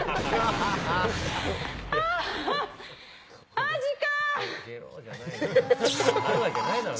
マジか！